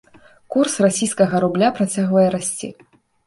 Курс расійскага рубля працягвае расці.